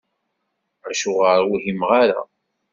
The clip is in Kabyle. Acuɣer ur whimeɣ ara?